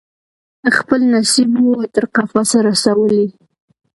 خپل نصیب وو تر قفسه رسولی